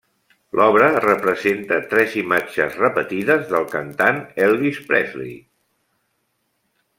L'obra representa tres imatges repetides del cantant Elvis Presley.